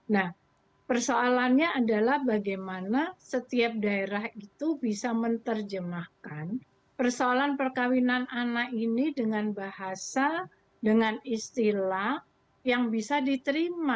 nah persoalannya adalah bagaimana setiap daerah itu bisa menerjemahkan persoalan perkawinan anak ini dengan bahasa dengan istilah yang bisa diterima